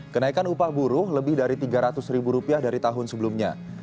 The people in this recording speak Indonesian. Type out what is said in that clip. kenaikan upah buruh lebih dari tiga ratus ribu rupiah dari tahun sebelumnya